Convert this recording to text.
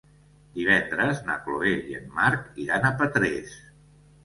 Divendres na Chloé i en Marc iran a Petrés.